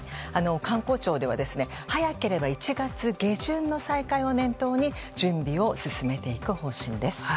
観光庁では早ければ１月下旬の再開を念頭に準備を進めていく方針です。